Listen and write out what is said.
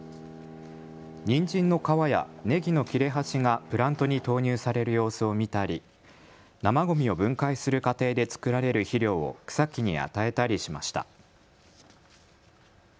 にんじんの皮やねぎの切れ端がプラントに投入される様子を見たり、生ごみを分解する過程で作られる肥料を草木に与えたりしました。